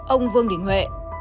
ông vương đình huệ